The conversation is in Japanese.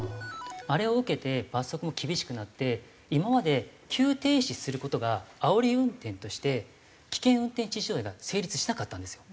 あれを受けて罰則も厳しくなって今まで急停止する事があおり運転として危険運転致死傷罪が成立しなかったんですよ。